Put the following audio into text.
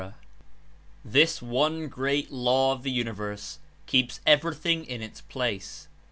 This one great law of the universe keeps ever)thing in its place.